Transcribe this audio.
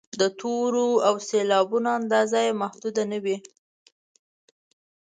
د تورو او سېلابونو اندازه یې محدوده نه وي.